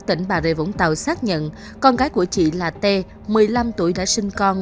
tỉnh bà rịa vũng tàu xác nhận con gái của chị là t một mươi năm tuổi đã sinh con